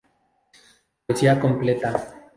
Poesía completa.